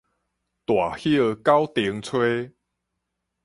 大葉九重炊